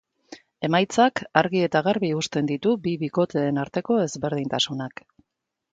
Emaitzak argi eta garbi uzten ditu bi bikoteen arteko ezberdintasunak.